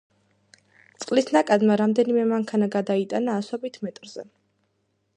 წყლის ნაკადმა რამდენიმე მანქანა გადაიტანა ასობით მეტრზე.